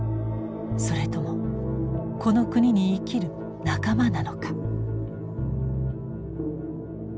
それともこの国に生きる仲間なのか。